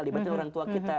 melibatkan orang tua kita